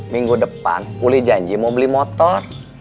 minggu depan pulih janji mau beli motor